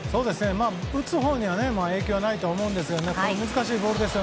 打つほうには影響はないと思うんですが難しいボールです